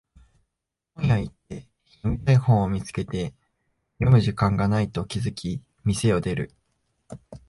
本屋行って読みたい本を見つけて読む時間がないと気づき店を出る